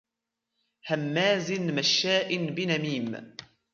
هماز مشاء بنميم